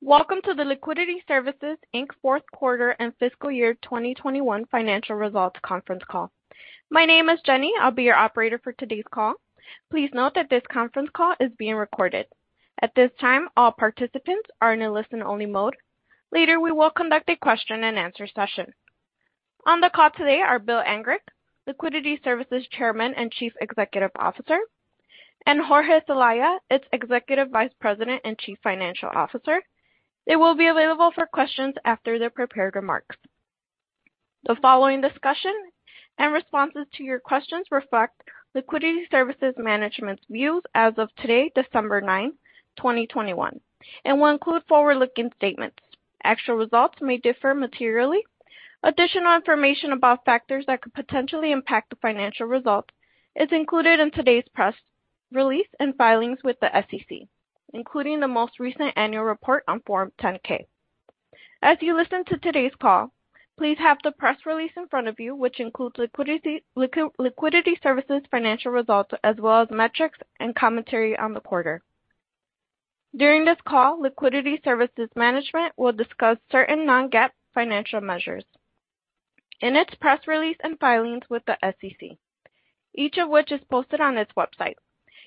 Welcome to the Liquidity Services, Inc. fourth quarter and fiscal year 2021 financial results conference call. My name is Jenny. I'll be your operator for today's call. Please note that this conference call is being recorded. At this time, all participants are in a listen-only mode. Later, we will conduct a question-and-answer session. On the call today are Bill Angrick, Liquidity Services Chairman and Chief Executive Officer, and Jorge Celaya, its Executive Vice President and Chief Financial Officer. They will be available for questions after the prepared remarks. The following discussion and responses to your questions reflect Liquidity Services management's views as of today, December 9, 2021, and will include forward-looking statements. Actual results may differ materially. Additional information about factors that could potentially impact the financial results is included in today's press release and filings with the SEC, including the most recent annual report on Form 10-K. As you listen to today's call, please have the press release in front of you, which includes Liquidity Services financial results, as well as metrics and commentary on the quarter. During this call, Liquidity Services management will discuss certain non-GAAP financial measures. In its press release and filings with the SEC, each of which is posted on its website,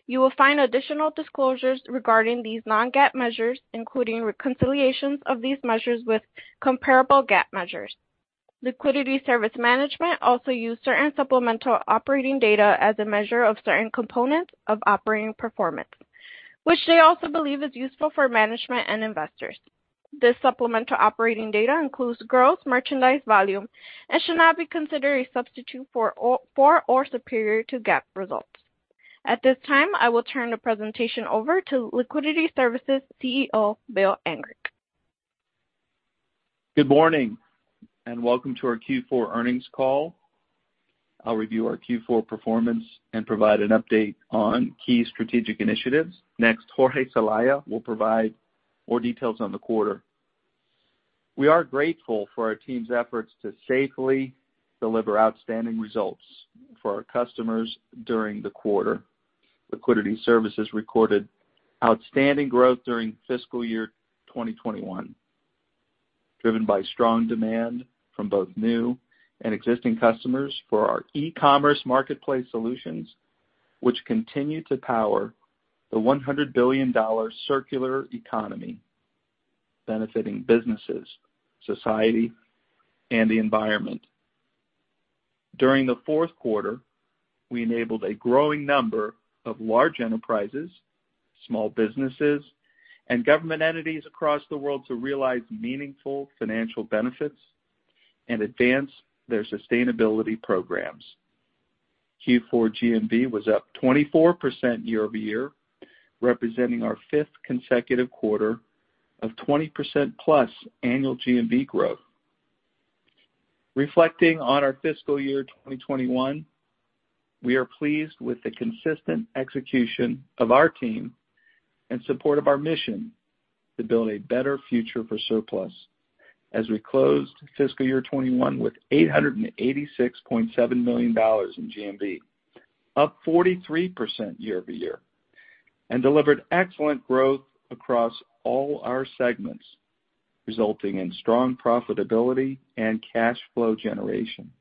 you will find additional disclosures regarding these non-GAAP measures, including reconciliations of these measures with comparable GAAP measures. Liquidity Services management also use certain supplemental operating data as a measure of certain components of operating performance, which they also believe is useful for management and investors. This supplemental operating data includes gross merchandise volume and should not be considered a substitute for or superior to GAAP results. At this time, I will turn the presentation over to Liquidity Services CEO, Bill Angrick. Good morning and welcome to our Q4 earnings call. I'll review our Q4 performance and provide an update on key strategic initiatives. Next, Jorge Celaya will provide more details on the quarter. We are grateful for our team's efforts to safely deliver outstanding results for our customers during the quarter. Liquidity Services recorded outstanding growth during fiscal year 2021, driven by strong demand from both new and existing customers for our e-commerce marketplace solutions, which continue to power the $100 billion circular economy, benefiting businesses, society, and the environment. During the fourth quarter, we enabled a growing number of large enterprises, small businesses, and government entities across the world to realize meaningful financial benefits and advance their sustainability programs. Q4 GMV was up 24% year-over-year, representing our fifth consecutive quarter of 20%+ annual GMV growth. Reflecting on our fiscal year 2021, we are pleased with the consistent execution of our team in support of our mission to build a better future for surplus as we closed fiscal year 2021 with $886.7 million in GMV, up 43% year-over-year, and delivered excellent growth across all our segments, resulting in strong profitability and cash flow generation.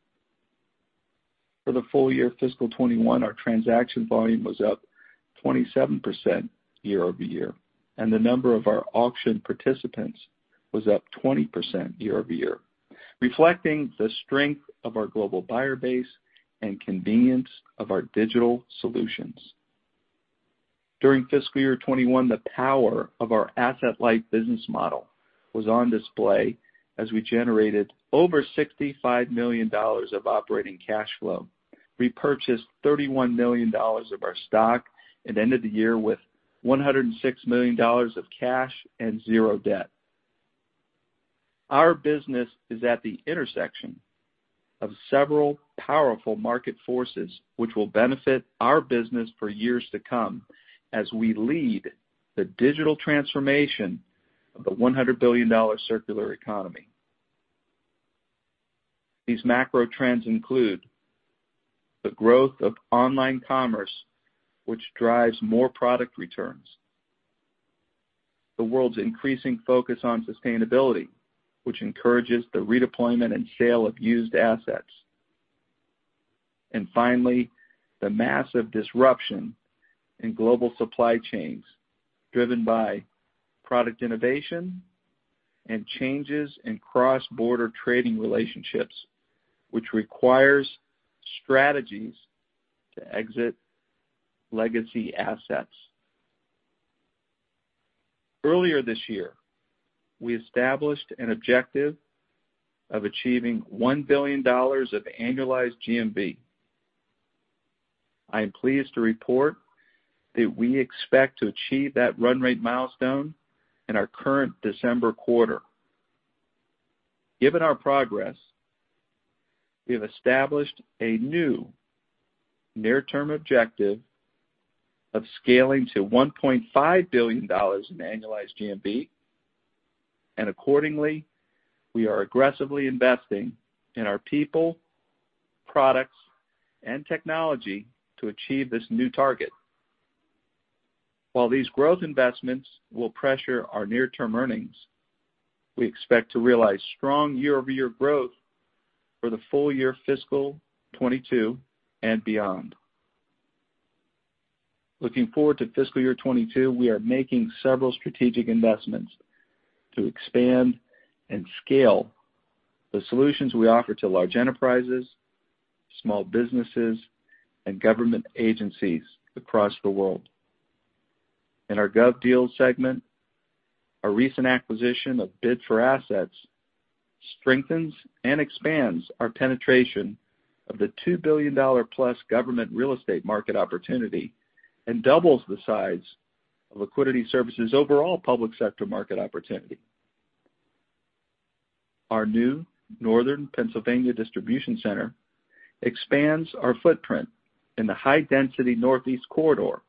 For the full year fiscal 2021, our transaction volume was up 27% year-over-year, and the number of our auction participants was up 20% year-over-year, reflecting the strength of our global buyer base and convenience of our digital solutions. During fiscal year 2021, the power of our asset-light business model was on display as we generated over $65 million of operating cash flow. We purchased $31 million of our stock and ended the year with $106 million of cash and zero debt. Our business is at the intersection of several powerful market forces, which will benefit our business for years to come as we lead the digital transformation of the $100 billion circular economy. These macro trends include the growth of online commerce, which drives more product returns, the world's increasing focus on sustainability, which encourages the redeployment and sale of used assets. Finally, the massive disruption in global supply chains, driven by product innovation and changes in cross-border trading relationships, which requires strategies to exit legacy assets. Earlier this year, we established an objective of achieving $1 billion of annualized GMV. I am pleased to report that we expect to achieve that run rate milestone in our current December quarter. Given our progress, we have established a new near-term objective of scaling to $1.5 billion in annualized GMV. Accordingly, we are aggressively investing in our people, products, and technology to achieve this new target. While these growth investments will pressure our near-term earnings, we expect to realize strong year-over-year growth for the full year fiscal 2022 and beyond. Looking forward to fiscal year 2022, we are making several strategic investments to expand and scale the solutions we offer to large enterprises, small businesses, and government agencies across the world. In our GovDeals segment, our recent acquisition of Bid4Assets strengthens and expands our penetration of the $2 billion+ government real estate market opportunity and doubles the size of Liquidity Services' overall public sector market opportunity. Our new Northern Pennsylvania distribution center expands our footprint in the high-density Northeast Corridor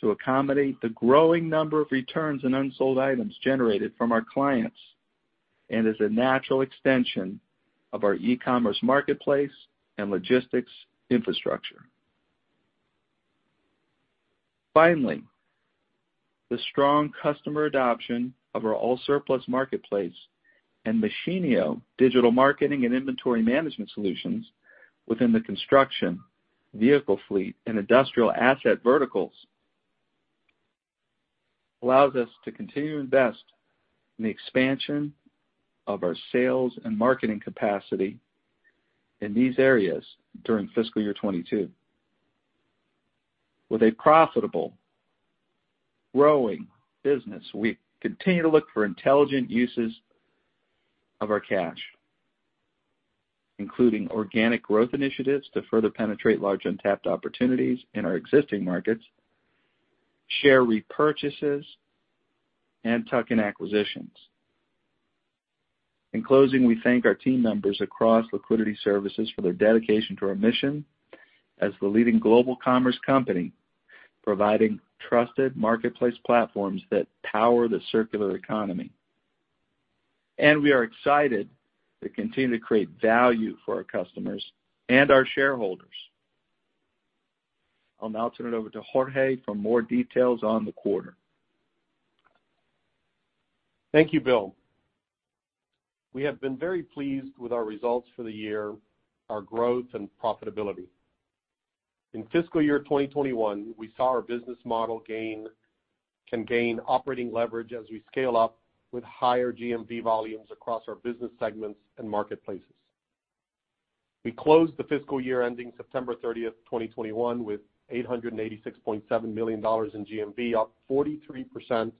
to accommodate the growing number of returns and unsold items generated from our clients and is a natural extension of our e-commerce marketplace and logistics infrastructure. Finally, the strong customer adoption of our AllSurplus marketplace and Machinio digital marketing and inventory management solutions within the construction, vehicle fleet, and industrial asset verticals allows us to continue to invest in the expansion of our sales and marketing capacity in these areas during fiscal year 2022. With a profitable, growing business, we continue to look for intelligent uses of our cash, including organic growth initiatives to further penetrate large untapped opportunities in our existing markets, share repurchases, and tuck-in acquisitions. In closing, we thank our team members across Liquidity Services for their dedication to our mission as the leading global commerce company, providing trusted marketplace platforms that power the circular economy. We are excited to continue to create value for our customers and our shareholders. I'll now turn it over to Jorge for more details on the quarter. Thank you, Bill. We have been very pleased with our results for the year, our growth and profitability. In fiscal year 2021, we saw our business model gain operating leverage as we scale up with higher GMV volumes across our business segments and marketplaces. We closed the fiscal year ending September 30, 2021, with $886.7 million in GMV, up 43%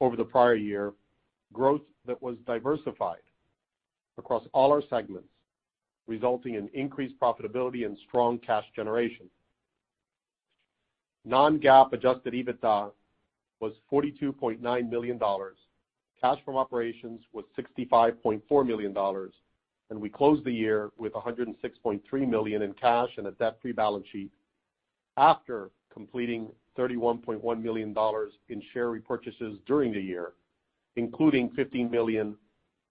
over the prior year, growth that was diversified across all our segments, resulting in increased profitability and strong cash generation. non-GAAP adjusted EBITDA was $42.9 million. Cash from operations was $65.4 million. We closed the year with $106.3 million in cash and a debt-free balance sheet after completing $31.1 million in share repurchases during the year, including $15 million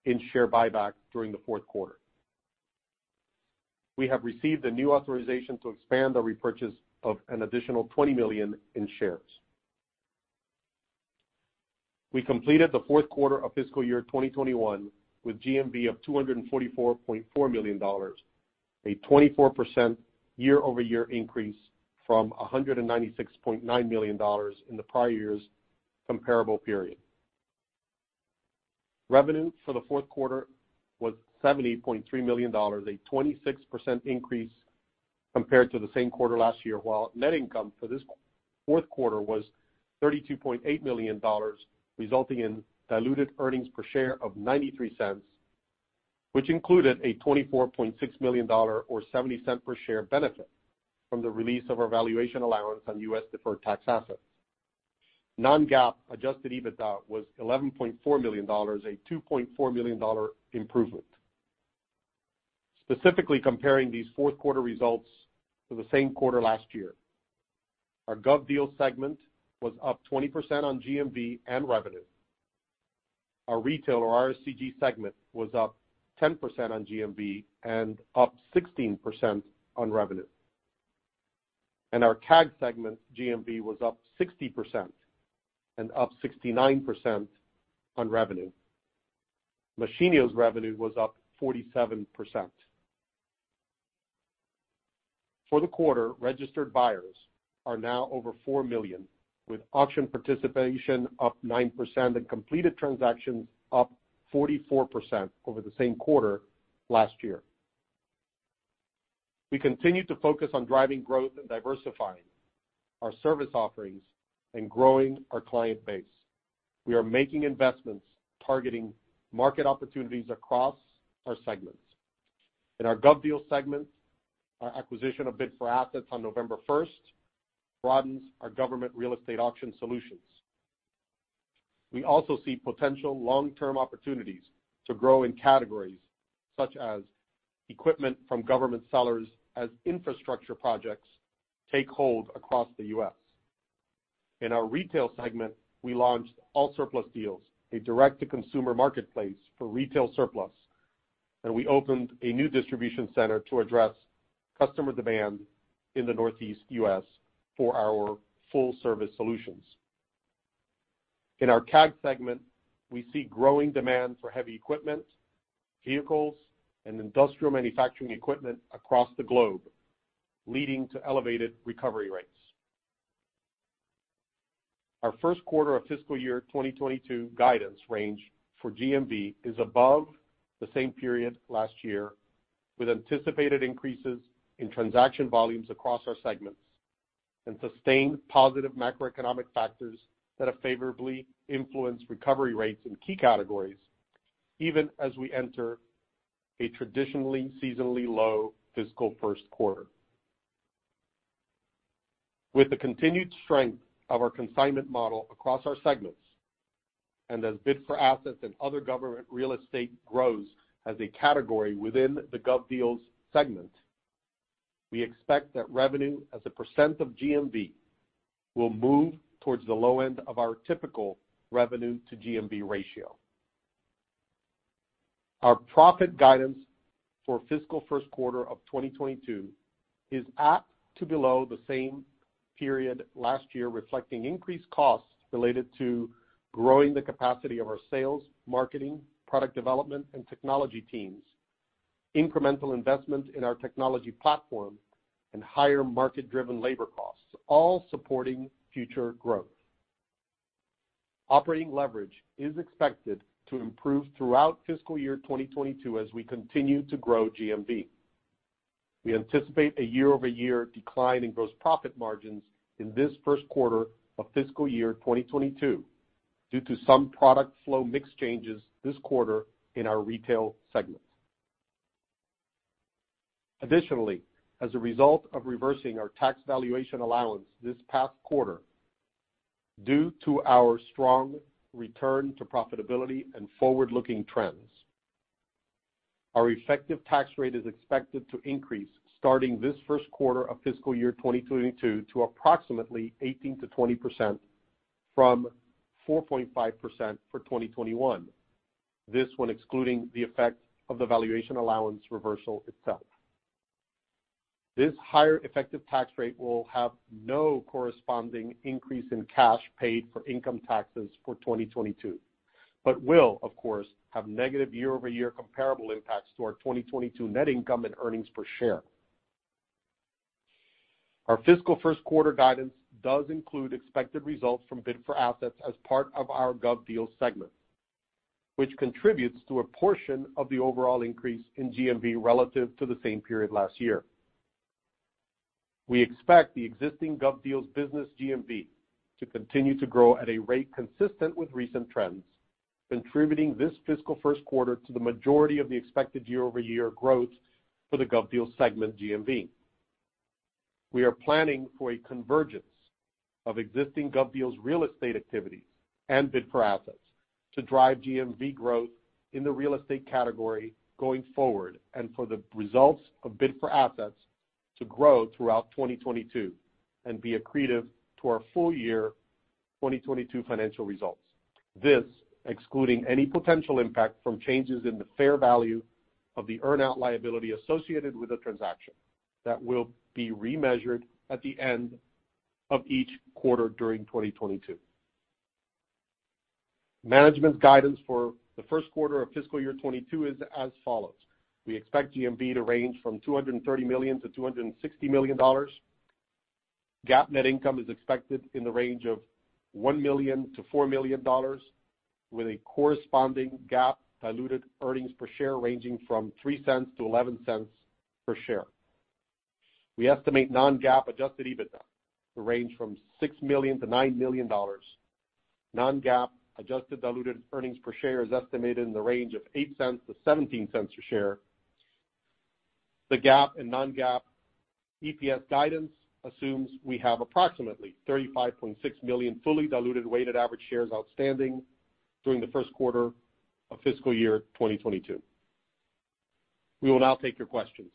in share buyback during the fourth quarter. We have received a new authorization to expand our repurchase of an additional 20 million shares. We completed the fourth quarter of fiscal year 2021 with GMV of $244.4 million, a 24% year-over-year increase from $196.9 million in the prior year's comparable period. Revenue for the fourth quarter was $70.3 million, a 26% increase compared to the same quarter last year, while net income for this fourth quarter was $32.8 million, resulting in diluted earnings per share of $0.93, which included a $24.6 million or $0.70 per share benefit from the release of our valuation allowance on U.S. deferred tax assets. Non-GAAP adjusted EBITDA was $11.4 million, a $2.4 million improvement. Specifically comparing these fourth quarter results to the same quarter last year, our GovDeals segment was up 20% on GMV and revenue. Our Retail or RSCG segment was up 10% on GMV and up 16% on revenue. Our CAG segment GMV was up 60% and up 69% on revenue. Machinio's revenue was up 47%. For the quarter, registered buyers are now over 4 million, with auction participation up 9% and completed transactions up 44% over the same quarter last year. We continue to focus on driving growth and diversifying our service offerings and growing our client base. We are making investments targeting market opportunities across our segments. In our GovDeals segment, our acquisition of Bid4Assets on November 1 broadens our government real estate auction solutions. We also see potential long-term opportunities to grow in categories such as equipment from government sellers as infrastructure projects take hold across the U.S. In our retail segment, we launched AllSurplus Deals, a direct-to-consumer marketplace for retail surplus, and we opened a new distribution center to address customer demand in the Northeast U.S. for our full-service solutions. In our CAG segment, we see growing demand for heavy equipment, vehicles, and industrial manufacturing equipment across the globe, leading to elevated recovery rates. Our first quarter of fiscal year 2022 guidance range for GMV is above the same period last year, with anticipated increases in transaction volumes across our segments and sustained positive macroeconomic factors that have favorably influenced recovery rates in key categories, even as we enter a traditionally seasonally low fiscal first quarter. With the continued strength of our consignment model across our segments, and as Bid4Assets and other government real estate grows as a category within the GovDeals segment, we expect that revenue as a percent of GMV will move towards the low end of our typical revenue to GMV ratio. Our profit guidance for fiscal first quarter of 2022 is at or below the same period last year, reflecting increased costs related to growing the capacity of our sales, marketing, product development, and technology teams, incremental investment in our technology platform, and higher market-driven labor costs, all supporting future growth. Operating leverage is expected to improve throughout fiscal year 2022 as we continue to grow GMV. We anticipate a year-over-year decline in gross profit margins in this first quarter of fiscal year 2022 due to some product flow mix changes this quarter in our retail segment. Additionally, as a result of reversing our tax valuation allowance this past quarter due to our strong return to profitability and forward-looking trends, our effective tax rate is expected to increase starting this first quarter of fiscal year 2022 to approximately 18%-20% from 4.5% for 2021. This, when excluding the effect of the valuation allowance reversal itself. This higher effective tax rate will have no corresponding increase in cash paid for income taxes for 2022, but will of course have negative year-over-year comparable impacts to our 2022 net income and earnings per share. Our fiscal first quarter guidance does include expected results from Bid4Assets as part of our GovDeals segment, which contributes to a portion of the overall increase in GMV relative to the same period last year. We expect the existing GovDeals business GMV to continue to grow at a rate consistent with recent trends, contributing this fiscal first quarter to the majority of the expected year-over-year growth for the GovDeals segment GMV. We are planning for a convergence of existing GovDeals real estate activities and Bid4Assets to drive GMV growth in the real estate category going forward, and for the results of Bid4Assets to grow throughout 2022 and be accretive to our full year 2022 financial results. This excluding any potential impact from changes in the fair value of the earn-out liability associated with the transaction that will be remeasured at the end of each quarter during 2022. Management's guidance for the first quarter of fiscal year 2022 is as follows. We expect GMV to range from $230 million-$260 million. GAAP net income is expected in the range of $1 million-$4 million, with a corresponding GAAP diluted earnings per share ranging from $0.03-$0.11 per share. We estimate non-GAAP adjusted EBITDA to range from $6 million-$9 million. Non-GAAP adjusted diluted earnings per share is estimated in the range of $0.08-$0.17 per share. The GAAP and non-GAAP EPS guidance assumes we have approximately 35.6 million fully diluted weighted average shares outstanding during the first quarter of fiscal year 2022. We will now take your questions.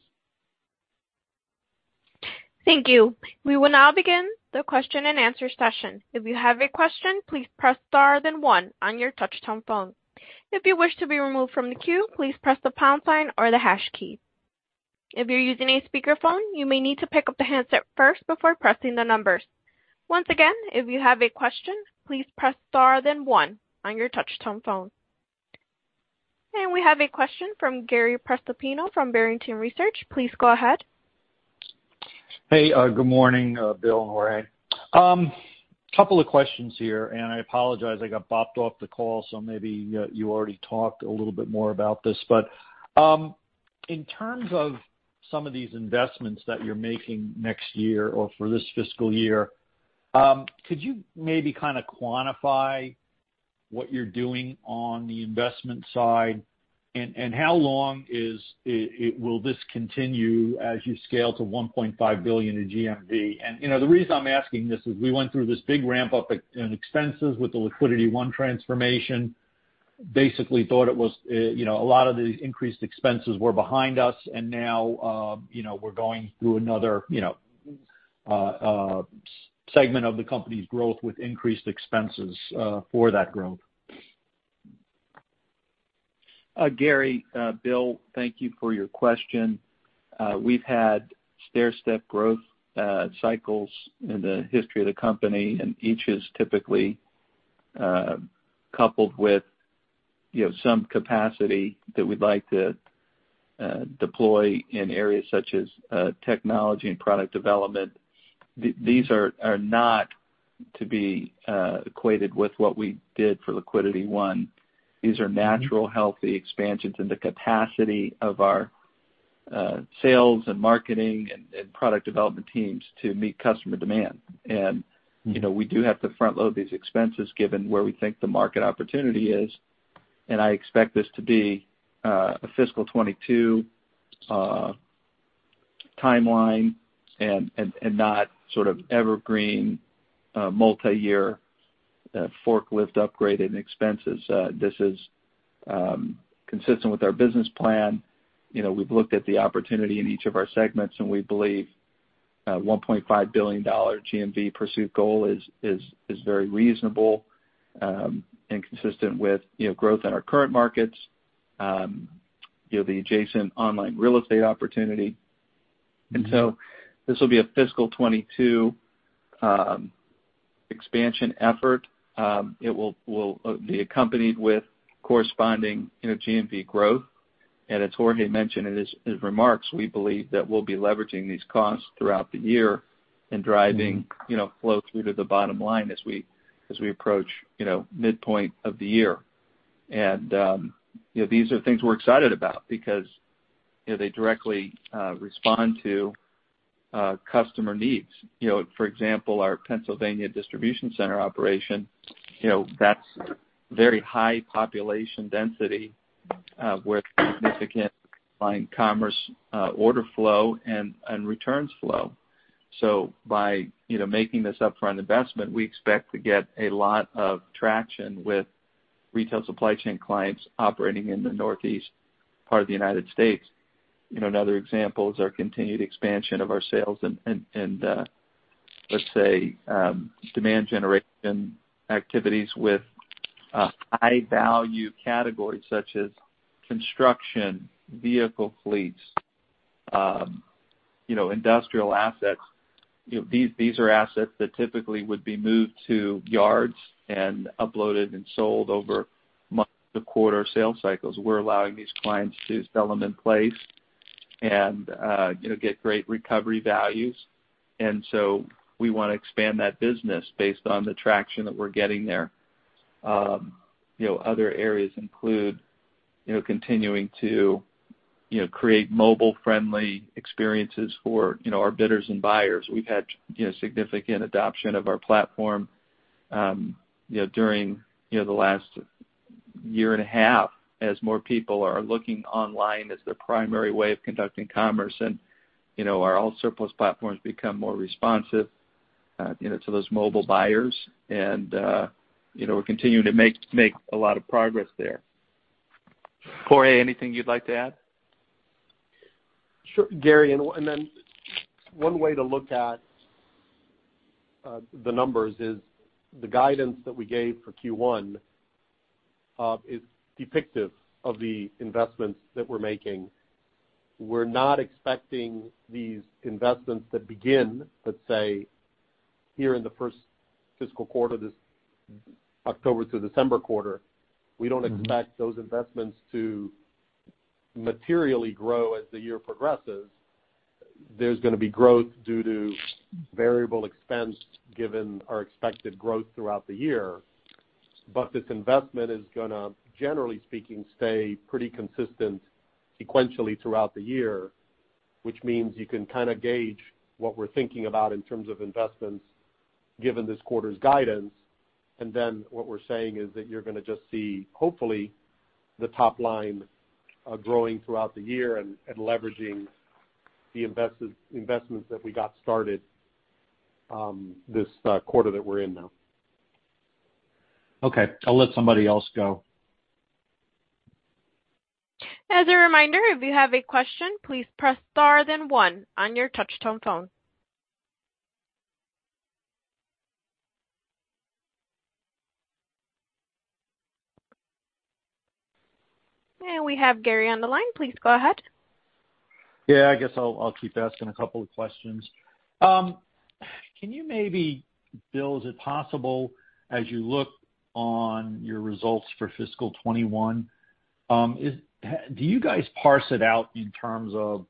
Thank you. We will now begin the question-and-answer session. If you have a question, please press star then one on your touch-tone phone. If you wish to be removed from the queue, please press the pound sign or the hash key. If you're using a speakerphone, you may need to pick up the handset first before pressing the numbers. Once again, if you have a question, please press star then one on your touch-tone phone. We have a question from Gary Prestopino from Barrington Research. Please go ahead. Hey, good morning, Bill and Jorge. Couple of questions here, and I apologize, I got bopped off the call, so maybe you already talked a little bit more about this. In terms of some of these investments that you're making next year or for this fiscal year, could you maybe kinda quantify what you're doing on the investment side and will this continue as you scale to $1.5 billion in GMV? You know, the reason I'm asking this is we went through this big ramp-up in expenses with the Liquidity One transformation, basically thought it was, you know, a lot of these increased expenses were behind us, and now, you know, we're going through another segment of the company's growth with increased expenses for that growth. Gary, Bill, thank you for your question. We've had stairstep growth cycles in the history of the company, and each is typically coupled with, you know, some capacity that we'd like to deploy in areas such as technology and product development. These are not to be equated with what we did for Liquidity One. These are natural, healthy expansions in the capacity of our sales and marketing and product development teams to meet customer demand. You know, we do have to front-load these expenses given where we think the market opportunity is. I expect this to be a fiscal 2022 timeline and not sort of evergreen multiyear forklift upgrade in expenses. This is consistent with our business plan. You know, we've looked at the opportunity in each of our segments, and we believe $1.5 billion GMV pursuit goal is very reasonable and consistent with, you know, growth in our current markets, you know, the adjacent online real estate opportunity. This will be a fiscal 2022 expansion effort. It will be accompanied with corresponding, you know, GMV growth. As Jorge mentioned in his remarks, we believe that we'll be leveraging these costs throughout the year and driving, you know, flow through to the bottom line as we approach, you know, midpoint of the year. These are things we're excited about because, you know, they directly respond to customer needs. You know, for example, our Pennsylvania distribution center operation, you know, that's very high population density, with significant online commerce, order flow and returns flow. By, you know, making this upfront investment, we expect to get a lot of traction with retail supply chain clients operating in the Northeast part of the United States. You know, another example is our continued expansion of our sales and demand generation activities with high-value categories such as construction, vehicle fleets, you know, industrial assets. You know, these are assets that typically would be moved to yards and uploaded and sold over months or quarter sales cycles. We're allowing these clients to sell them in place and, you know, get great recovery values. We wanna expand that business based on the traction that we're getting there. You know, other areas include, you know, continuing to, you know, create mobile-friendly experiences for, you know, our bidders and buyers. We've had, you know, significant adoption of our platform, you know, during, you know, the last year and a half as more people are looking online as their primary way of conducting commerce. You know, our AllSurplus platforms become more responsive, you know, to those mobile buyers and, you know, we're continuing to make a lot of progress there. Jorge, anything you'd like to add? Sure, Gary. One way to look at the numbers is the guidance that we gave for Q1 is depictive of the investments that we're making. We're not expecting these investments that begin, let's say, here in the first fiscal quarter, this October through December quarter. We don't expect those investments to materially grow as the year progresses. There's gonna be growth due to variable expense given our expected growth throughout the year. This investment is gonna, generally speaking, stay pretty consistent sequentially throughout the year, which means you can kind of gauge what we're thinking about in terms of investments given this quarter's guidance. What we're saying is that you're gonna just see, hopefully, the top line growing throughout the year and leveraging the investments that we got started this quarter that we're in now. Okay. I'll let somebody else go. As a reminder, if you have a question, please press star then one on your touch-tone phone. We have Gary on the line. Please go ahead. Yeah. I guess I'll keep asking a couple of questions. Can you maybe Bill, is it possible, as you look on your results for fiscal 2021, do you guys parse it out in terms of,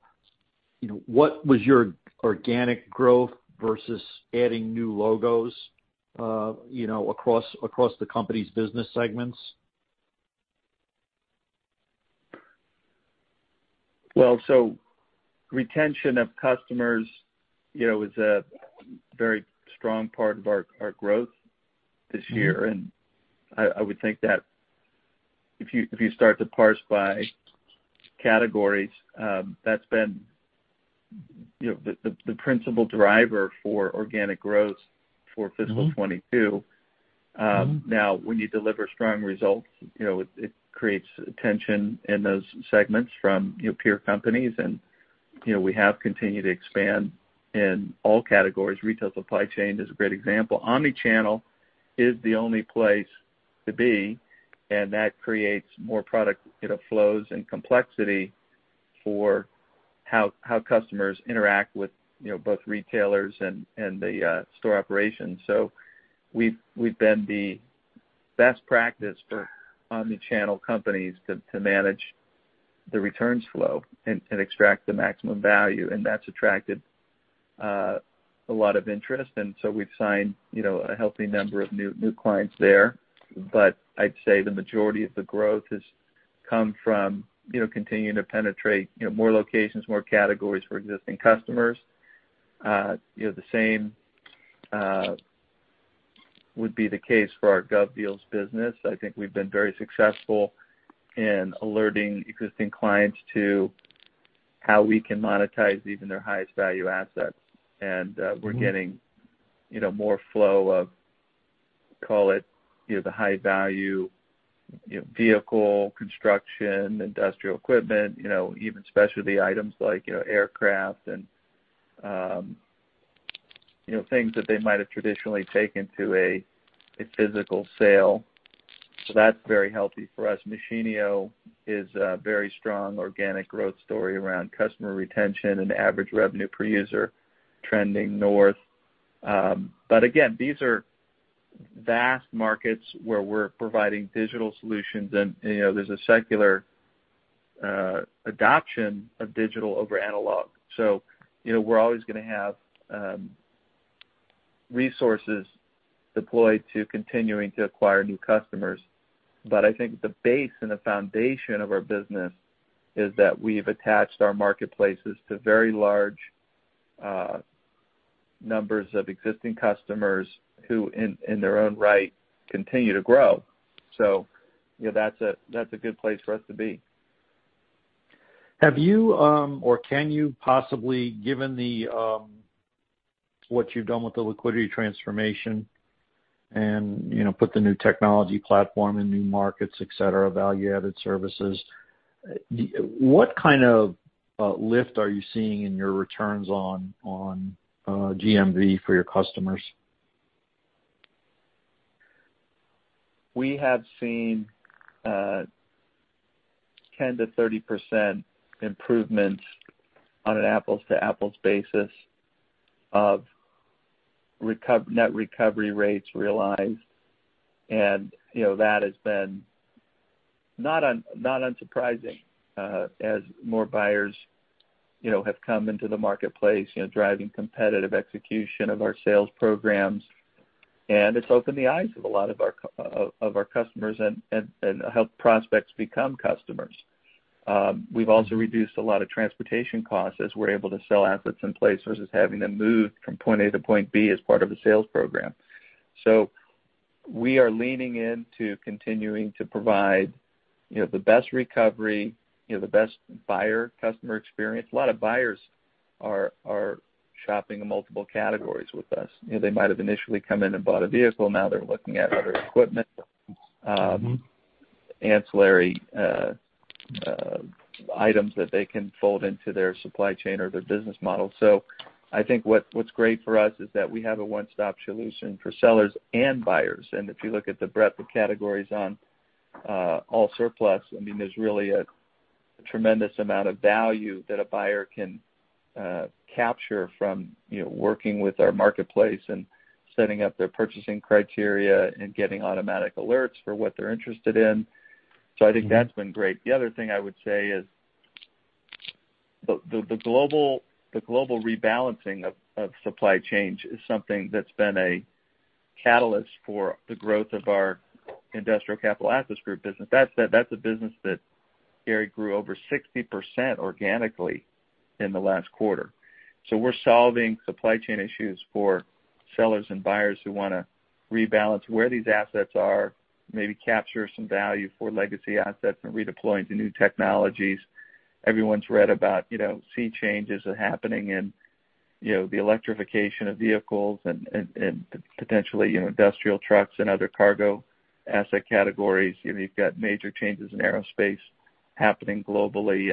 you know, what was your organic growth versus adding new logos, you know, across the company's business segments? Retention of customers, you know, is a very strong part of our growth this year. I would think that if you start to parse by categories, that's been, you know, the principal driver for organic growth for fiscal 2022. Now when you deliver strong results, you know, it creates tension in those segments from, you know, peer companies. You know, we have continued to expand in all categories. Retail supply chain is a great example. Omnichannel is the only place to be, and that creates more product, you know, flows and complexity for how customers interact with, you know, both retailers and the store operations. We've been the best practice for omnichannel companies to manage the returns flow and extract the maximum value, and that's attracted a lot of interest. We've signed, you know, a healthy number of new clients there. But I'd say the majority of the growth has come from, you know, continuing to penetrate, you know, more locations, more categories for existing customers. You know, the same would be the case for our GovDeals business. I think we've been very successful in alerting existing clients to how we can monetize even their highest value assets. We're getting, you know, more flow of, call it, you know, the high value, you know, vehicle, construction, industrial equipment, you know, even specialty items like, you know, aircraft and, you know, things that they might have traditionally taken to a physical sale. That's very healthy for us. Machinio is a very strong organic growth story around customer retention and average revenue per user trending north. Again, these are vast markets where we're providing digital solutions and, you know, there's a secular adoption of digital over analog. You know, we're always gonna have resources deployed to continuing to acquire new customers. I think the base and the foundation of our business is that we've attached our marketplaces to very large numbers of existing customers who in their own right continue to grow. You know, that's a good place for us to be. Have you or can you possibly, given the what you've done with the liquidity transformation and, you know, put the new technology platform in new markets, et cetera, value-added services, what kind of lift are you seeing in your returns on GMV for your customers? We have seen 10%-30% improvements on an apples to apples basis of net recovery rates realized. You know, that has been not unsurprising as more buyers, you know, have come into the marketplace, you know, driving competitive execution of our sales programs. It's opened the eyes of a lot of our customers and helped prospects become customers. We've also reduced a lot of transportation costs as we're able to sell assets in place versus having them move from point A to point B as part of a sales program. We are leaning into continuing to provide, you know, the best recovery, you know, the best buyer customer experience. A lot of buyers are shopping in multiple categories with us. You know, they might have initially come in and bought a vehicle. Now they're looking at other equipment, ancillary items that they can fold into their supply chain or their business model. I think what's great for us is that we have a one-stop solution for sellers and buyers. If you look at the breadth of categories on AllSurplus, I mean, there's really a tremendous amount of value that a buyer can capture from, you know, working with our marketplace and setting up their purchasing criteria and getting automatic alerts for what they're interested in. I think that's been great. The other thing I would say is the global rebalancing of supply chains is something that's been a catalyst for the growth of our industrial Capital Assets Group business. That's a business that, Gary, grew over 60% organically in the last quarter. We're solving supply chain issues for sellers and buyers who wanna rebalance where these assets are, maybe capture some value for legacy assets and redeploying to new technologies. Everyone's read about, you know, sea changes are happening and, you know, the electrification of vehicles and potentially, you know, industrial trucks and other cargo asset categories. You know, you've got major changes in aerospace happening globally.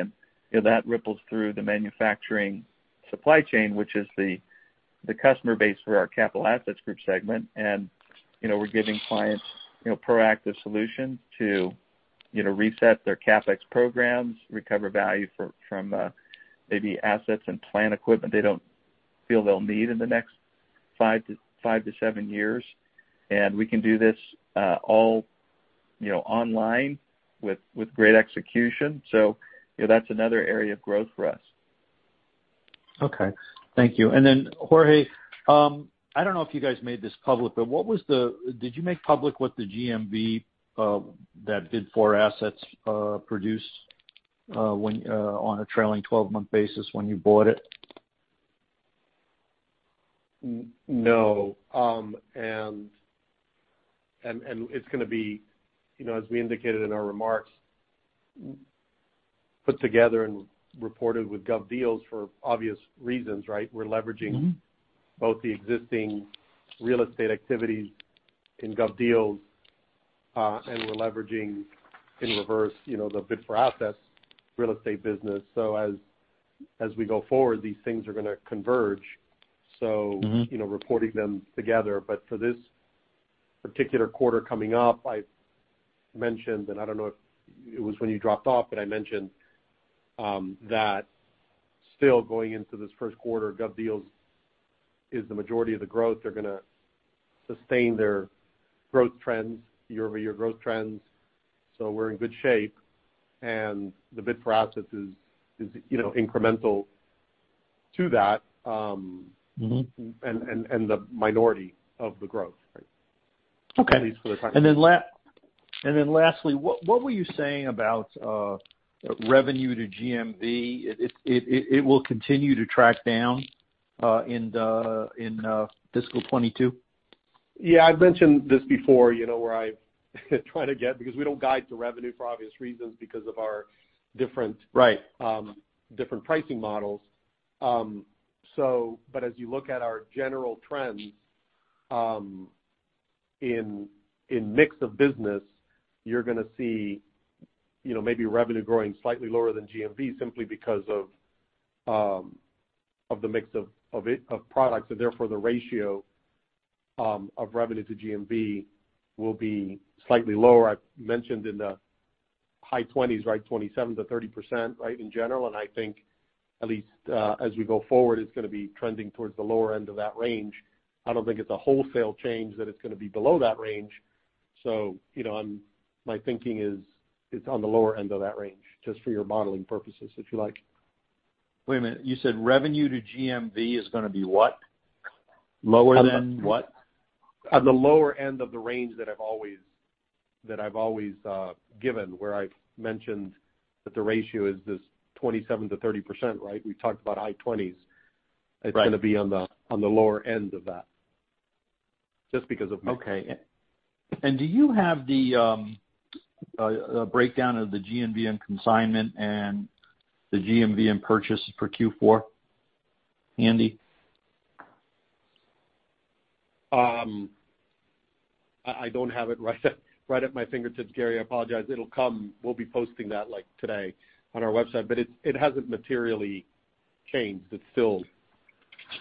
That ripples through the manufacturing supply chain, which is the customer base for our Capital Assets Group segment. We're giving clients, you know, proactive solutions to, you know, reset their CapEx programs, recover value from maybe assets and plant equipment they don't feel they'll need in the next five to seven years. We can do this, you know, all online with great execution. you know, that's another area of growth for us. Okay. Thank you. Jorge, I don't know if you guys made this public, but did you make public what the GMV that Bid4Assets produced on a trailing twelve-month basis when you bought it? No. It's gonna be, you know, as we indicated in our remarks, put together and reported with GovDeals for obvious reasons, right? We're leveraging both the existing real estate activities in GovDeals, and we're leveraging in reverse, you know, the Bid4Assets real estate business. As we go forward, these things are gonna converge. Mm-hmm. You know, reporting them together. For this particular quarter coming up, I mentioned, and I don't know if it was when you dropped off, but I mentioned, that still going into this first quarter, GovDeals is the majority of the growth. They're gonna sustain their growth trends, year-over-year growth trends. We're in good shape. The Bid4Assets is, you know, incremental to that. Mm-hmm. the minority of the growth, right? Okay. At least for the time being. Lastly, what were you saying about revenue to GMV? It will continue to track down in fiscal 2022? Yeah, I've mentioned this before, you know, where I try to get, because we don't guide to revenue for obvious reasons because of our different- Right. Different pricing models. As you look at our general trends, in mix of business, you're gonna see, you know, maybe revenue growing slightly lower than GMV simply because of the mix of it, of products, and therefore, the ratio of revenue to GMV will be slightly lower. I've mentioned in the high twenties, right, 27%-30%, right, in general. I think at least, as we go forward, it's gonna be trending towards the lower end of that range. I don't think it's a wholesale change that it's gonna be below that range. You know, my thinking is it's on the lower end of that range, just for your modeling purposes, if you like. Wait a minute. You said revenue to GMV is gonna be what? Lower than what? On the lower end of the range that I've always given, where I've mentioned that the ratio is this 27%-30%, right? We've talked about high 20s. Right. It's gonna be on the lower end of that, just because of mix. Okay. Do you have the breakdown of the GMV and consignment and the GMV and purchases for Q4, Jorge Celaya? I don't have it right at my fingertips, Gary. I apologize. It'll come. We'll be posting that, like, today on our website. It hasn't materially changed. It's still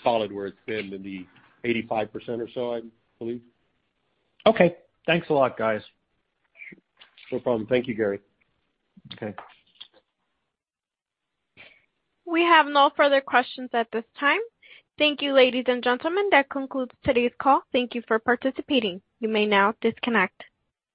solid where it's been in the 85% or so, I believe. Okay. Thanks a lot, guys. No problem. Thank you, Gary. Okay. We have no further questions at this time. Thank you, ladies and gentlemen. That concludes today's call. Thank you for participating. You may now disconnect.